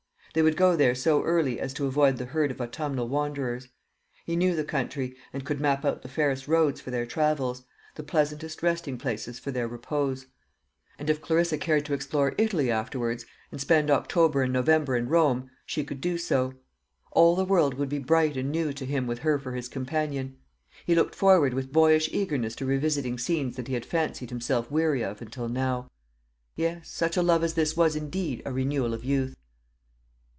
They would go there so early as to avoid the herd of autumnal wanderers. He knew the country, and could map out the fairest roads for their travels, the pleasantest resting places for their repose. And if Clarissa cared to explore Italy afterwards, and spend October and November in Rome, she could do so. All the world would be bright and new to him with her for his companion. He looked forward with boyish eagerness to revisiting scenes that he had fancied himself weary of until now. Yes; such a love as this was indeed a renewal of youth.